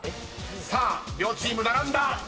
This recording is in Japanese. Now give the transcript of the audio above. ［さあ両チーム並んだ。